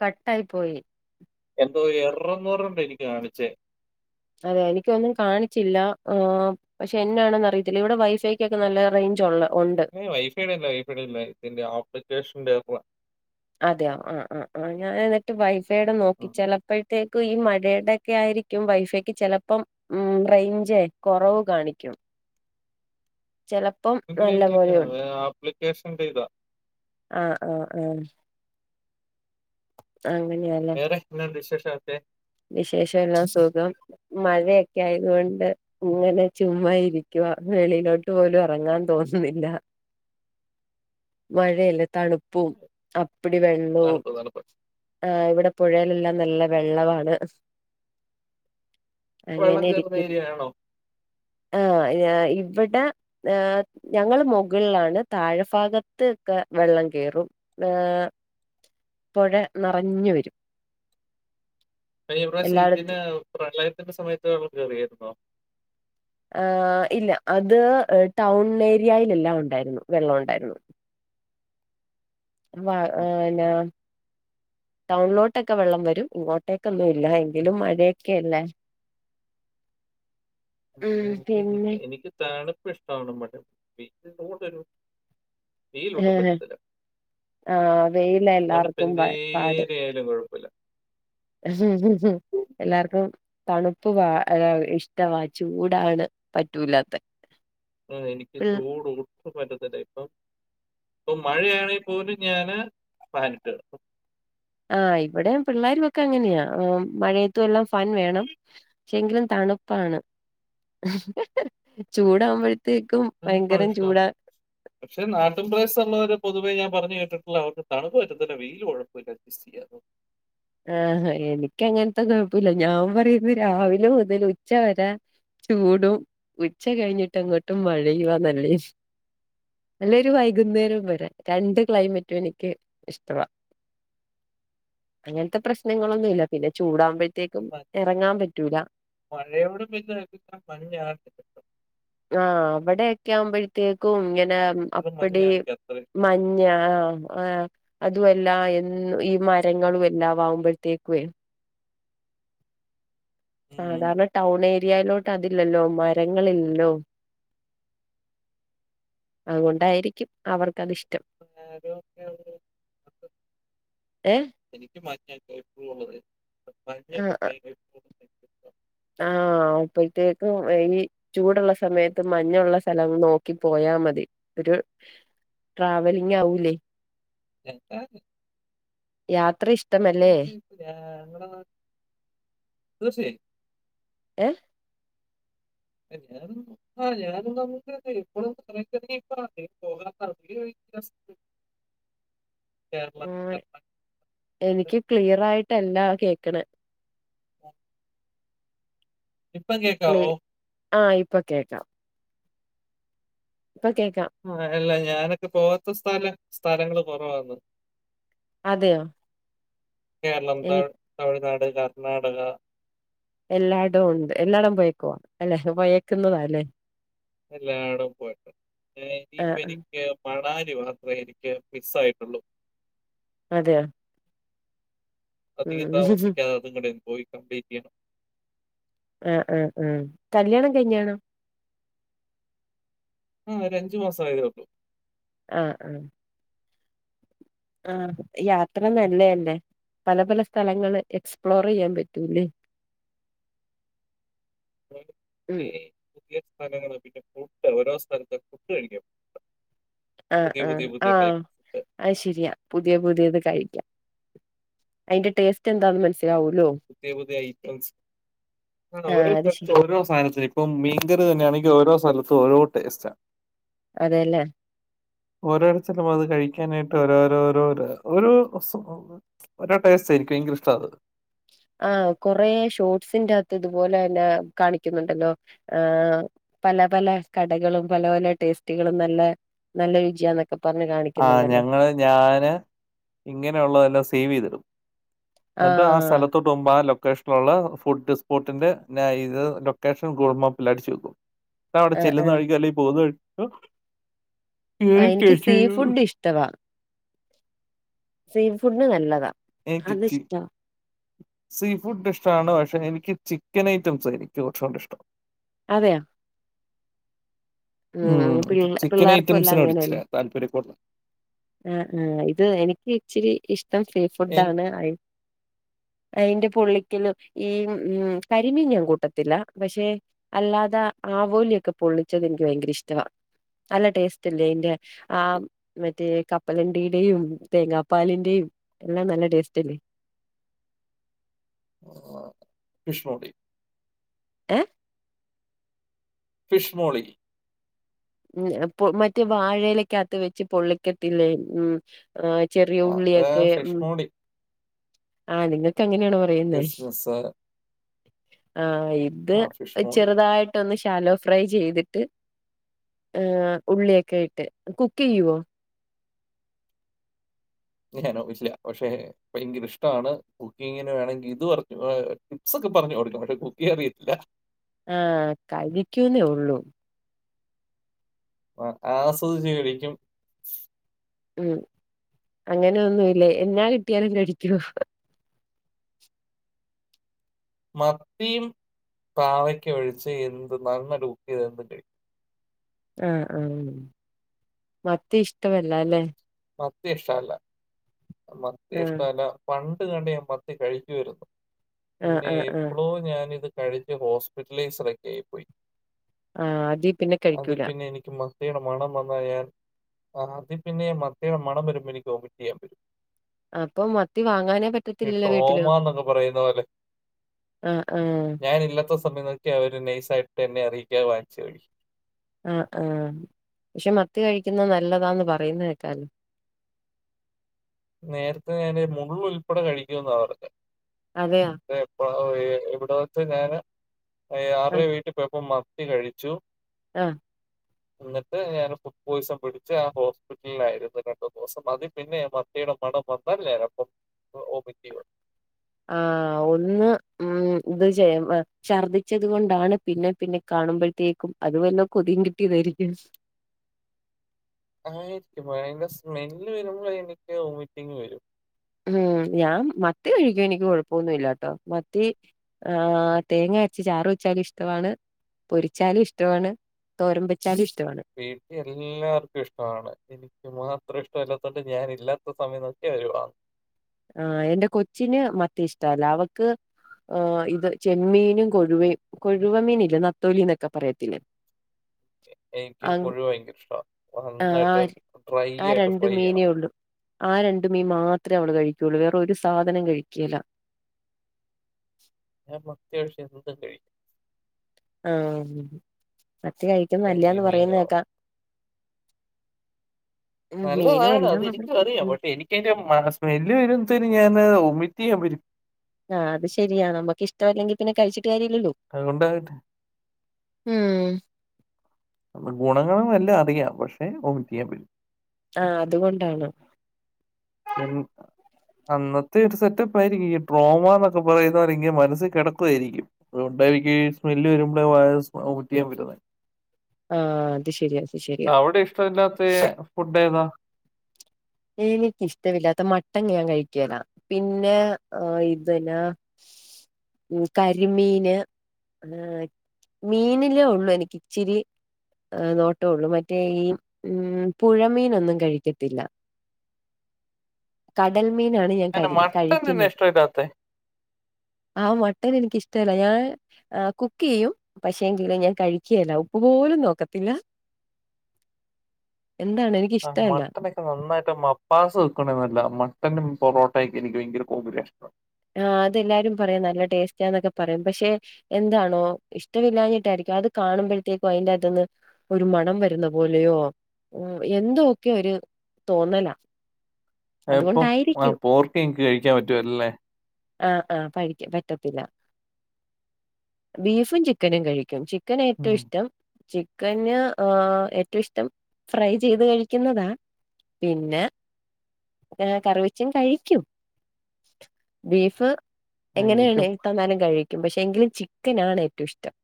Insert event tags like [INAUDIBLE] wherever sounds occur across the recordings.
കട്ടായി പോയി എന്തോ എറന്നൂറ്ണ്ട് എനിക്ക് കാണിച്ചേ അതെ എനിക്കൊന്നും കാണിച്ചില്ല ആഹ് പക്ഷെ എന്നാണെന്ന് അറിയത്തില്ല ഇവിടെ വൈഫൈക്കൊക്കെ നല്ല റേഞ്ച് ഉള്ള ഉണ്ട് വൈഫൈടെ അല്ലാ വൈഫൈടെ അല്ല ഇതിന്റെ ആപ്ലിക്കേഷൻ ന്റെ ഇററാ അതെയോ ആ ആ ആ ഞാന് എന്നിട്ട് വൈഫൈയുടെ നോക്കി ആഹ്. ചിലപ്പോഴത്തേ ഈ മഴയുടെൊക്കെ ആയിരിക്കും വൈഫൈക്ക് ചിലപ്പം ഉം റേഞ്ചേ കുറവ് കാണിക്കും ചിലപ്പം ഇല്ല നല്ല ഇല്ല ഇല്ല പോലെയുണ്ട് ആപ്ലിക്കേഷൻന്റെ ഇതാ ആഹ് ആഹ് ആഹ് അങ്ങനെയാ അ ഇന്നോ വിശേഷ [UNINTELLIGIBLE] വിശേഷം എല്ലാം സുഖം മഴയൊക്കെ ആയതുകൊണ്ട് ഇങ്ങനെ ചുമ്മാ ഇരിക്കുവ വെളിയിലോട്ട് പോലും ഇറങ്ങാൻ തോന്നുന്നില്ല മഴയല്ലേ തണുപ്പ് പ്പും അപ്പിടി തണുപ്പ് തണുപ്പ്. വെള്ളവുംഇവിടെ പുഴയിലെല്ലാം നല്ല വെള്ളമാണ് വെള്ളം അങ്ങനെ കേറുന്ന ഇരിക്കും ഏരിയയാണോ? ആ് ഇവിടെ ഏ ഞങ്ങൾ മുകളിലാണ് താഴെഭാഗത്തൊക്കെ വെള്ളം കയറും ഏഹ് പുഴ നിറഞ്ഞു വരും കഴിഞ്ഞ പ്രാവശ്യം ഇതിന്റ എല്ലായിടത്തും പ്രളയത്തിന്റെ സമയത്ത് വെള്ളം കയറിയായിരുന്നോ ആഹ് ഇല്ല അത് ടൗൺ ഏരിയയിലെല്ലാം ഉണ്ടായിരുന്നു വെള്ളം ഉണ്ടായിരുന്നു വ ന്ന ടൗണിലോട്ടൊക്കെ വെള്ളം വരും ഇങ്ങോട്ടേക്ക് ഒന്നും ഇല്ല എങ്കിലും മഴയൊക്കെ അല്ലേ ഉം എനിക്ക് എനിക്ക് തണുപ്പ് ഇഷ്ടമാണ് [UNINTELLIGIBLE] വെയിൽ ഒട്ടും ഏഹ് പറ്റത്തില്ല ആഹ് വെയില തണുപ്പ് എല്ലാർക്കും പാട് എന്തേരി ആയാലും കുഴപ്പമില്ല ളം ഉം എല്ലാർക്കും തണുപ്പ് ഇഷ്ടവാ ചൂടാണ് പറ്റൂലാത്ത ആ എനിക്ക് ചൂട് ഒ പറ്റത്തില്ലേ ഇപ്പം ഇപ്പം മഴയാണെൽ പോലും ഞാന് ഫാനിട്ട് കിടക്കും ആഹ് ഇവിടെ പിള്ളേരുമൊക്കെ അങ്ങനെയാ മഴയത്തും എല്ലാം ഫാൻ വേണം പക്ഷെ എങ്കിലും തണുപ്പാണ് ചൂടാകുമ്പഴ ത്തേക്കും തണുപ്പാണ് ഭയങ്കരം ഇഷ്ടം. ചൂടാ പക്ഷെ നാട്ടിൻ പ്രദേസ്തുള്ളവര് പൊതുവേ ഞാൻ പറഞ്ഞു കേട്ടിട്ടുള്ള അവർക്ക് തണുപ്പ് പറ്റത്തില്ലാ വെയ്ൽ കുഴ വല്ല ബിസി അതോ ആഹ എനിക്കങ്ങനത്തെ കുഴപ്പല്ല ഞാൻ പറയുന്നു രാവിലെ മുതൽ ഉച്ച വരേ ചൂടും ഉച്ച കഴിഞ്ഞിട്ട് അങ്ങോട്ടും മഴയവാന്നല്ലേ [UNINTELLIGIBLE] നല്ലൊരു വൈകുന്നേരം വരെ രണ്ട് ക്ലൈമറ്റും എനിക്ക് ഇഷ്ടമാണ് അങ്ങനത്തെ പ്രശ്നങ്ങളൊന്നും ഇല്ല പിന്നെ ചൂടാകുമ്പോ മഴയോടും [INAUDIBLE] ആ ഉവിടെയൊക്കെ ആവുമ്പോഴത്തേക്കും ഇങ്ങനെ ഇവിടെ അപ്പടി മഞ്ഞാണ് എനിക്ക് അത്ര മ ഇഷ്ടം. മഞ്ഞാ ആ അതും എല്ലാ എ ഈ മരങ്ങളും എല്ലാം ആകുമ്പോഴത്തേക്കും ഉം. സാധാരണ ടൗൺ ഏരിയയിലോട്ട് അതില്ലല്ലോ മരങ്ങളില്ലല്ലോ അതുകൊണ്ടായിരിക്കും അവർക്കത് ഇഷ്ടം. ആരക്കെ ഏഹ് എനിക്ക് മഞ്ഞൊക്കെ എഴപ്പോഴുംള്ളത് മഞ്ഞൊക്കെ ഭയര ആഹ അപ്പഴത്തേക്കും എലി ചൂടുള്ള സമയത്ത് മഞ്ഞുള്ള സ്ഥലം നോക്കി പോയാ മതി ഒരു ട്രാവലിംഗ് ആവുലേ ഞാൻ ഞങ്ങടെ യാത്ര ഇഷ്ടമല്ലേ? ഇവിടെ തീർച്ചയായും ഏ [UNINTELLIGIBLE] ആഹ് ഞാനും നമുക്ക് എപ്പോഴുംറങ്ങിപ്പ പോകാ [UNINTELLIGIBLE] [INAUDIBLE] ആ കർണാടക എനിക്ക് ക്ലിയർ ആയിട്ടല്ലാ കേക്ക്ണ് [INAUDIBLE] ഇപ്പം ക്ലി കേക്കാവോ? ആഹ് ഇപ്പം കേക്കാം പ്പം കേക്കാം ആ അല്ല ഞാനൊക്കെ പോവാത്ത സ്ഥലം സ്ഥലങ്ങള് കുറവാന്ന്. അതെയോ കേരളം, ത എനി തമിഴ്നാട്, കർണാടക. എല്ലായിടും ഉണ്ട് എല്ലായിടം പോയക്കവാ അല്ലെ പയക്കുന്നതാല്ലേ എല്ലായിടും പോയിട്ട് ഇനിയിപ്പ ആഹ് ആഹ് എനിക്ക് മണാലി മാത്രം എനിക്ക് മിസ് ആയിട്ടുള്ളു. അതെയ അധികം ഉം താമസിക്കാതെ അതും കൂടിയ പോയി കംപലീറ്റ് ചെയ്യണം. ആ ആ ആ കല്ല്യാണം കഴിഞ്ഞാണോ? ആഹ് ഒരു അഞ്ച് മാസം ആയതേ ഉള്ളൂ. ആഹ് ആ ആഹ് യാത്ര നല്ലയല്ലെ പല പല സ്ഥലങ്ങള്ൾ എക്സ്പ്ലോർ ചെയ്യാൻ പറ്റൂല്ലേ. [INAUDIBLE] ഉം ഈ പുതിയ സ്ഥലങ്ങള് പിന്നെ ഫഡ് ഓരോ സ്ഥലത്ത ഫുഡ്‌ കഴിക്കും ആഹ് പുതിയ പുതിയ ആഹ് ആ പുതിയ ടൈപ്പ് ഫുഡ് അത് ശരിയാ പുതിയ പുതിയത് കഴിക്കാം. അതിന്റെ ടേസ്റ്റ് എന്താണന്ന് മനസ്സിലാവൂല്ലോ? പുതിയ പുതിയ ഐറ്റംസ് ആ ഓരോ ആഹ് അത് ശരി ഓരോ സന- ഇപ്പം മീൻ കറി തന്നെയണെങ്കിൽ ഓരോ സ്ഥലും ഓരോ ടെസ്റ്റാ അതെല്ലേ ഓരോടത്തും അത് കഴിക്കാനായിട്ട് ഓരോരോരോ ഒരോടസ്റ്റ് ആരിക്കോം ഇനിക് ഇഷ്ട അത് ആഹ് കൊറേ ഷോർട്സിന്റെത്ത് ഇതുപോലെന്നെ കാണിക്കുന്നുണ്ടല്ലോ? ആ പല പല കടകളും പല പല ടേസ്റ്റുകളും നല്ല നല്ല രുചിയൊക്ക ക്കെ പറഞ്ഞ് കണികും. ആഹ് ഞങ്ങള് ഞാന്. ഇങ്ങനെയുള്ളതെല്ലാം സേവ് ചെയ്തിടും എന്നിട്ട് ആ ആഹ് സ്ഥലത്തൊട്ട്. പ ആ ലൊക്കേഷനിലള്ള ഫുഡ് സ്പോട്ടിന്റെ ഇത് ലൊക്കേഷൻ ഗൂഗിൾ മാപ്പിൽ അടിച്ചു വയ്ക്കും. അവിടെ ആഹ് ചെല്ലുന്ന ആഹ് കഴിക്കെ അല്ലെങ്കിൽ പോകുന്ന വഴിക്കോ കേറി ആഹ് എനിക്ക് കഴിച്ചു സീ ഫുഡ് ഇഷ്ടവാ സീ ഫുഡ് നല്ലതാണ് ഏ കിച്ചി സീ ഫുഡ് ഇഷ്ടാണ് പക്ഷെ എനിക്ക് ചിക്കൻ ഐറ്റംസ് ആയിരിക്കും കുറച്ചുംകൂടി ഇഷ്ടം അതെയോ ഉം പിള്ള ചിക്കൻ പിള്ളേർക്കും എല്ലാം ഐറ്റംസിനോട്‌ ഇച്ചിര അങ്ങനെയല്ലേ താല്പര്യം കൂടു- ആഹ് ആഹ്ഇത് എനിക്ക് ഇച്ചിരി ഇഷ്ടം സീ ഫുഡ എനിക്ക് ആണ്,, [INAUDIBLE] അതിന്റെ പൊള്ളിക്കല ഈ കരിമീൻ ഞാൻ കൂട്ടത്തില്ല പക്ഷെ അല്ലാതെ ആവോലിയൊക്കെ പൊള്ളിച്ചത് എനിക്ക് ഭയങ്കര ഇഷ്ടമാ അല്ല ടേസ്റ്റ് ഇല്ലേ അന്റെ ആ മറ്റേ കപ്പലണ്ടിയുടെയും തേങ്ങാപ്പാലിന്റെയും എല്ലാം നല്ല ടേസ്റ്റ്ല്ലേ കഷ്ണോടി എഹ് ഫിഷ്മോളി മറ്റേ വാഴയിലേക്കെ അത്ത് വെച്ച് പൊള്ളിക്കത്തില്ലേ ഉം ആ ചെറിയ ആ, അത് ഉള്ളിയൊക്കെ ഫിഷ് മം മോളി ആഹ് നിങ്ങൾക്ക് അങ്ങനെയാണോ പറയുന്നേ ക്രിസ്മസ് ആഹ് ഇത് ആ ഫിഷ് മോളി ചെറുതായിട്ട് ഇട്ടൊന്ന് ശാലോ ഫ്രൈ ചെയ്തിട്ട് ഉള്ളിയൊക്കെ ഇട്ട് കുക്ക് ചെയ്‌വോ ഞാനോച്ചില്ല പക്ഷെ ഭയങ്കര ഇഷ്ടമാണ് കുക്കിങ്ങിന് വേണമെങ്കിൽ ഇത് പറഞ്ഞു ടി്പ്സ് ഒക്കെ പറഞ്ഞു കൊടുക്കാം പക്ഷെ കുക്കീയാൻ അറിയത്തില്ല ആ ഹ് കഴിക്കുന്നേ ഉള്ളൂ ആസ്വദിച്ചു കഴിക്കും ഉം അങ്ങനൊന്നുമല്ലേ എന്നാ കിട്ടിയാല കയിക്കോ? മത്തിയും പാവക്ക് ഒഴിച്ച് എന്ത് നന്നായിട്ട് കുക്കു ചെയ്താലും ഞാൻ കഴിക്കും ആഹ് ആഹ് മത്തി ഇഷ്ടമല്ല അല്ലെ മത്തി ഇഷ്ടമല്ല മത്തി ആ ഇഷ്ടമല്ല പണ്ട് കണ്ട് ഞാൻ മത്തി കഴിക്കുവാരുന്നു ആ പിന്നെ ആ ആ എപ്പളോ ഞാനിത് കഴിച്ച് ഹോസ്പിറ്റലെസറെക്കെയായി പോയി ആ അതി പിന്നെ കഴിക്കൂല എനിക്കും മ മത്തിയുടെ മണം വന്നാ ഞാൻ അതി പിന്നെയെ മത്തി മണം വരുമ്പോ എനിക്ക് ഒമിറ്റ് ചെയ്യാൻ പറ്റും അപ്പൊ മത്തി വാങ്ങാനേ ഈ പറ്റത്തില്ലല്ലോ വീട്ടില് ട്രോമാന്നൊക്കെ പറയുന്ന ആഹ് ആഹ് ഞാാന് ഇല്ലാത്ത സ സമയം നോക്കി അവര് നൈസ ആയിട്ട് എന്നെ അറിയിക്കാൻ വാങ്ങിച്ച് കഴിക്കും ആഹ് ആഹ് പക്ഷെ മത്തി കഴിക്കുന്നത് നല്ലതാന്ന് പറയുന്നത്കേക്കലോ നേരത്തെ ഞാൻ മുള്ള് ഉൾപ്പെടെ കഴിക്കുന്നപറഞ്ഞെ അതെയാ എപ്പോള എവിടെ വെച്ചു ഞാന് ആരുടെ ആഹ് വീട്ടിൽ പോയപ്പോ മത്തി കഴിച്ചു ആഹ് എന്നിട്ട് ഞാൻ ഫുഡ് പോയിസൺ പിടിച്ച് ആ ഹോസ്പിറ്റലിലായിരുന്നു രണ്ടു ന്ന് ദിവസം അതിൽ പിന്നെ ഞാൻ മത്തിയുടെ മണം വന്നാൽ ഞാൻ അപ്പോ ഒമിറ്റ്ചെയ്യുവാ ആ ഒന്ന് മം ഇത് ചെയ്യാം ഛർദ്ദിച്ചത് കൊണ്ടാണ് പിന്നെ പിന്നെ കാണുമ്പോഴത്തേക്കും അത് വല്ല കൊതിയും കിട്ടിയതായിരിക്കും ആയിരിക്കും അതിന്റെ സ്മെല്ല് വരുമ്പോൾ എനിക്ക് ഒമിറ്റിങ് വരും ഉം ഞാൻ മത്തി കഴിക്കും എനിക്ക് കൊഴപ്പൊന്നുമല്ലട്ടോ മത്തി ആ തേങ്ങ അരച്ച് ചാറ് വെച്ചാലും ഇഷ്ടമാണ് പൊരിച്ചാലും ഇഷ്ടാണ് തോരൻ വെച്ചാലും ഇഷ്ടാണ് വീട്ടിൽ എല്ലാർക്കും ഇഷ്ടമാണ് എനിക്ക് മാത്രം ഇഷ്ടമല്ലാത്തുകണ്ട് ഞാന് ഇല്ലാത്ത സമയം നോക്കി അവര് വാങ്ങും ആ എന്റെ കൊച്ചിന് മത്തി ഇഷ്ടല്ല അവക്ക് ആ ഇത് ചെമ്മീനും കൊഴുവയും കൊഴുവ മീന് ഇല്ലേ നത്തോലി എന്നൊക്കെ പറയത്തില്ലേ എനിക്ക് അങ് കൊഴുവഭയങ്കര ഇഷ്ട നന്നായിട്ട് ആഹ് ഡ്രൈ ആ ആയിട്ട് രണ്ട് ഫ്രൈ മീനേ ചെയ്യണം ഉള്ളൂ ആ രണ്ട് മീം മാത്ര അവള് കഴിക്കുള്ളൂ വേറ ഒരു സാധനം കഴിക്കെല ഞാൻ മത്തി ഒഴിച് എന്തും കഴിക്കും ആ ഉം മത്തികഴിക്കുന്നത് നല്ലന്ന് കരിമീനോ പറയുന്നേക്കാം ഉം മീനും നല്ലതാണ് അത എല്ലാം നമ്മള് എനിക്ക് അറിയാം ഉം ബട്ട്‌ എനിക്കതിന്റെ സ്മെല്ല് വരത്തേന് ഞാൻ ഒമിറ്റ് ചെയ്യാൻ വരും ആ അത് ശരിയാ നമുക്ക് ഇഷ്ടമല്ലെങ്കിൽ പിന്നെ കഴിച്ചിട്ട് കാര്യല്ലല്ലോ അത് [UNINTELLIGIBLE] ഉം ഗുണങ്ങള എല്ലാം അറിയാം പക്ഷെ ഒമിറ്റ് ചെയ്യാൻ വരും ആ അതുകൊണ്ടാണ് [UNINTELLIGIBLE] അന്നത്തെ ഒരു സെറ്റപ്പായിയിരിക്കും ഈ ഡ്രോമ എന്നൊക്കെ പറയുന്നവങ്കിൽ മനസ്സ് കിടക്കുയിരിക്കും അതുകൊണ്ട എനിക്ക് സ്മെല്ല് വരുമ്പോഴ വ ട്ടിയാൻ [UNINTELLIGIBLE] ആഹ് അത് ശരിയാ അത് ശരിയാ അവിടെ ഇഷ്ടമല്ലാത്ത ഫുഡ് ഏതാ എനിക്കിഷ്ടമില്ലാത്ത മട്ടൻ ഞാൻ കഴിക്കുവല പിന്നെ ഇതന്നാ കരിമീന് ആഹ മീനിലേ ഉള്ളൂ എനിക്ക് ഇച്ചിരി നോട്ടള്ളൂ മറ്റേ ഈ ഉം പുഴമീനൊന്നും കഴിക്കത്തില്ല കടൽമീനാണ് ഞാ ന്താ മട്ടൻ തിന്നാൻ ഇഷ്ട്ടം ഇല്ലത്തെ ആഹ മട്ടൻ എനക്കിഷ്ടല്ല ഞാ ആ കുക്ക് ചെയ്യും പക്ഷേ എങ്കിലും ഞാൻ കഴിക്കേല്ല ഉപ്പ് പോലും നോക്കത്തില്ല [INAUDIBLE] എന്താണ് എനി ആഹ മട്ടനെ ക്ക്‌ നന്നായിട്ട് മപ്പാസ് വെക്കണന്നല്ല മട്ടനും പൊറോട്ടയൊക്കെ എനിക്ക് ഭയങ്കര കോപുലഷ്ടാ ആഹ അതെല്ലാരും പറയാം നല്ല ടേസ്റ്റാന്നൊക്കെ പറയും പക്ഷെ എന്താണോ ഇഷ്ടമില്ലാഞ്ഞിട്ടായിരിക്കും അത് കാണുമ്പോഴത്തേക്കും അയിന്റെ അകത്തുന്ന് ഒരു മണം വരുന്ന പോലെയോ ഉ എന്തൊക്കെ ഒരു തോന്നല ഇപ്പം ആ പോർക്ക എനിക്ക് കഴിക്കാൻ പറ്റുവല്ലല്ലേ ആ ആ പയ് പറ്റത്തില്ല ബീഫും ചിക്കനും കഴിക്കും ചി ക്കാന ഏറ്റവും ഉം. ഇഷ്ടം ചിക്കന് ഏറ്റവും ഇഷ്ടം ഫ്രൈ ചെയ്ത് കഴിക്കുന്നതാ പിന്നെ കറി വെച്ചും കഴിക്കും ബീഫ് ആ, എനിക്കും എങ്ങനെയാണ് തന്നാലും കഴിക്കും പക്ഷെ എങ്കിലും ചിക്കൻ ആണ് ഏറ്റവും ഇഷ്ടം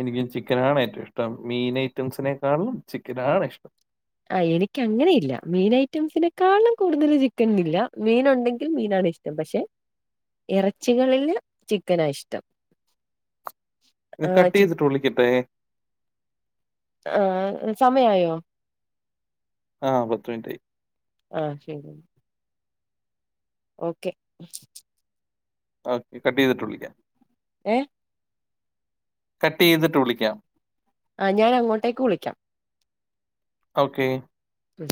എനിക്കും ചിക്കൻനാണ് ഏറ്റവും ഇഷ്ടം മീൻ ഐറ്റംസിനെക്കാളിലും ചിക്കനാണ് ഇഷ്ടം ആഹ് എനക്ക് അങ്ങനെ ഇല്ല മീൻ ഐറ്റംസിനെക്കാളും കൂടുതൽ ചിക്കൻന്നില്ല മീന ഉണ്ടെങ്കിൽ മീനാണ് ഇഷ് ട്ടം പക്ഷെ ഇറച്ചികളില് ചിക്കനാ ഇഷ്ടം ആഹ് കട്ട് ചി ചെയ്തിട്ട് വിളിക്കട്ടെ ആഹ് സമയമായോ ആഹ് പത്ത് മിനിറ്റ് ആയി ആഹ് ശരി എന്ന ഓക്കെ ഓക്കെ കട്ട് ചെയ്തിട്ട് വിളിക്കാം ഏഹ് കട്ട് ചെയ്തിട്ട് വിളിക്കാം ആഹ് ഞാൻ അങ്ങോട്ടേക്ക് വിളിക്കാം ഓക്കെ ഉം